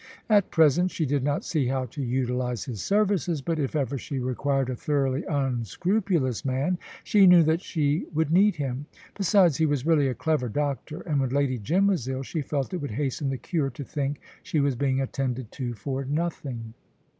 At present she did not see how to utilise his services, but if ever she required a thoroughly unscrupulous man, she knew that she would need him. Besides, he was really a clever doctor, and when Lady Jim was ill, she felt it would hasten the cure to think she was being attended to for nothing.